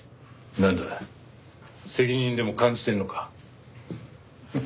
なんだ責任でも感じてんのか。